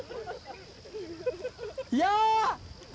いや！